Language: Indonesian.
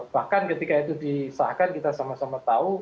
bahkan ketika itu disahkan kita sama sama tahu